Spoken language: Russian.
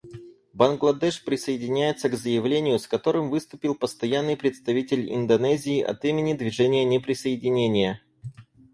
Бангладеш присоединяется к заявлению, с которым выступил Постоянный представитель Индонезии от имени Движения неприсоединения.